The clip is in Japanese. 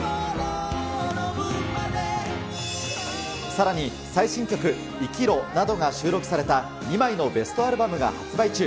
さらに最新曲、生きろなどが収録された２枚のベストアルバムが発売中。